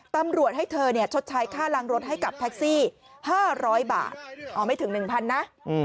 ตำรวจให้เธอชดใช้ค่าล้างรถให้กับแท็กซี่๕๐๐บาทอ๋อไม่ถึง๑๐๐นะ